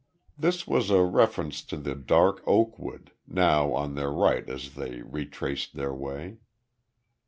This was a reference to the dark oak wood, now on their right as they retraced their way.